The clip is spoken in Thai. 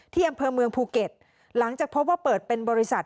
ที่อำเภอเมืองภูเก็ตหลังจากพบว่าเปิดเป็นบริษัท